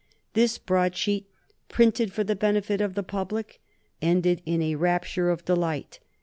This broadsheet, "printed for the benefit of the public," ended in a rapture of delight.